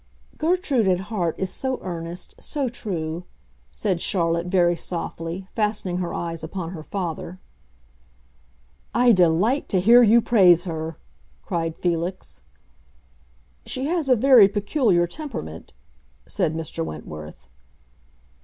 "Gertrude, at heart, is so earnest, so true," said Charlotte, very softly, fastening her eyes upon her father. "I delight to hear you praise her!" cried Felix. "She has a very peculiar temperament," said Mr. Wentworth.